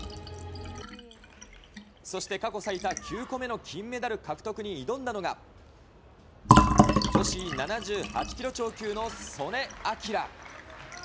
そして過去最多９個目の金メダル獲得に挑んだのが、女子７８キロ超級の素根輝。